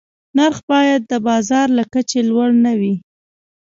نرخ باید د بازار له کچې لوړ نه وي.